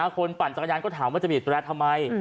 ปั่นจักรยานก็ถามว่าจะบีดแรร์ทำไม